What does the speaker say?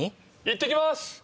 いってきます！